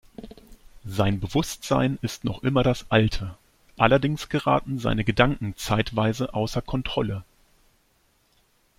Sein Bewusstsein ist noch immer das alte, allerdings geraten seine Gedanken zeitweise außer Kontrolle.